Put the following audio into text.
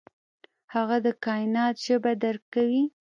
هغه د کائنات ژبه درک کوي.